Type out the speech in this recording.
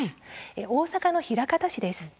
大阪の枚方市です。